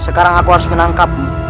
sekarang aku harus menangkapmu